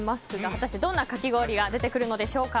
果たしてどんなかき氷が出てくるんでしょうか。